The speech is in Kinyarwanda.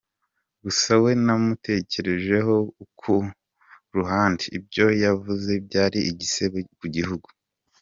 Gusa we namutekerejeho ku ruhande, ibyo yavuze byari igisebo ku gihugu.